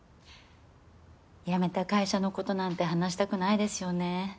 辞めた会社のことなんて話したくないですよね。